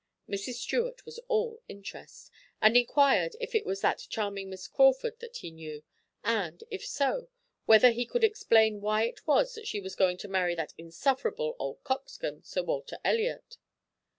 Mrs. Stuart was all interest, and inquired if it was that charming Miss Crawford that he knew, and, if so, whether he could explain why it was that she was going to marry that insufferable old coxcomb, Sir Walter Elliot.